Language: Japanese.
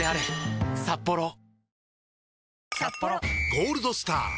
「ゴールドスター」！